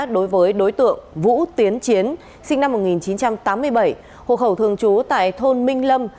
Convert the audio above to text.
đối với đối tượng vũ tiến chiến sinh năm một nghìn chín trăm tám mươi bảy hộ khẩu thường trú tại thôn minh lâm